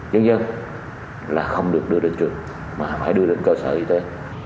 nhân dân là không được đưa đến trường mà phải đưa đến cơ sở y tế